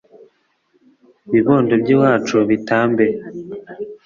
bibondo by'iwacu bitambe